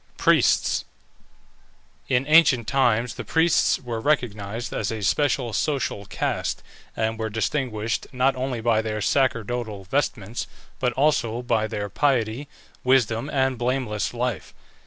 PRIESTS. In ancient times the priests were recognized as a special social caste, and were distinguished not only by their sacerdotal vestments, but also by their piety, wisdom, and blameless life.